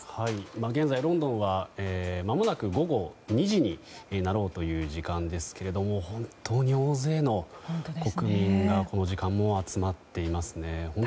今現在ロンドンは午後２時になるという時間ですが本当に大勢の国民がこの時間も集まっていますね。